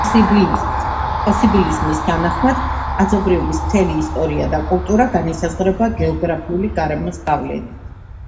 პოსიბილიზმის თანახმად, კაცობრიობის მთელი ისტორია და კულტურა განისაზღვრება გეოგრაფიული გარემოს გავლენით.